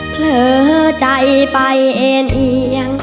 ไปกับเลย